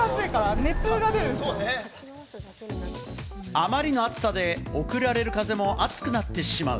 あまりの暑さで送られる風も熱くなってしまう。